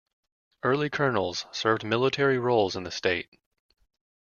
Early colonels served military roles in the state.